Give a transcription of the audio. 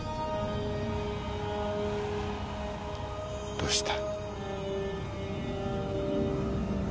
どうした？